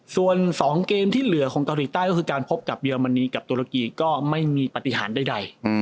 ส่วน๒เกมที่เหลือของเยอรมณีกับตุรกีก็ไม่มีปฏิหารใด